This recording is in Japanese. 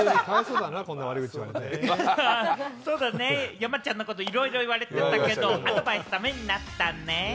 山ちゃんのこと、いろいろ言われてたけれども、たけたん、ためになったね。